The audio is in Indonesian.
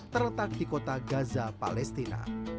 terletak di kota gaza palestina